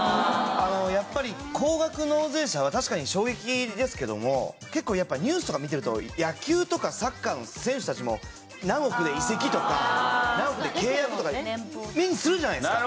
やっぱり高額納税者は確かに衝撃ですけども結構やっぱニュースとか見てると野球とかサッカーの選手たちも「何億で移籍」とか「何億で契約」とか目にするじゃないですか。